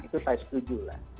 itu saya setuju lah